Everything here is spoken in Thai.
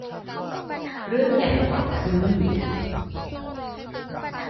เรื่องใหญ่กว่าคือ